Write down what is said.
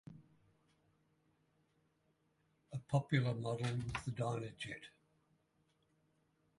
A popular model was the "Dynajet".